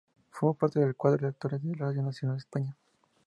Formó parte del cuadro de actores de Radio Nacional de España.